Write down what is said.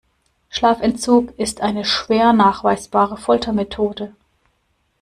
Schlafentzug ist eine schwer nachweisbare Foltermethode.